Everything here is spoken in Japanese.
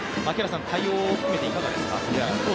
対応を含めて、どうですか？